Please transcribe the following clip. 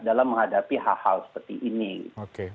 dalam menghadapi hal hal seperti ini